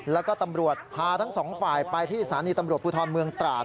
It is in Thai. แล้วก็ตำรวจพาทั้งสองฝ่ายไปที่สถานีตำรวจภูทรเมืองตราด